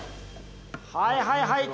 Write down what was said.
はいはいはい。